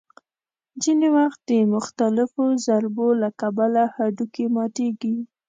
ځینې وخت د مختلفو ضربو له کبله هډوکي ماتېږي.